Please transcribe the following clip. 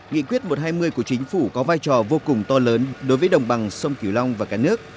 nghị quyết một trăm hai mươi của chính phủ có vai trò vô cùng to lớn đối với đồng bằng sông kiều long và cả nước